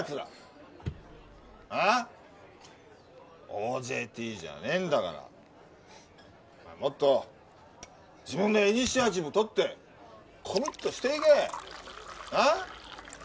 ＯＪＴじゃねえんだからもっと自分でイニシアチブ取ってコミットしていけ！な？